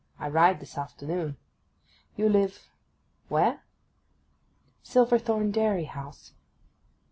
I ride this afternoon. You live—where?' 'Silverthorn Dairy house.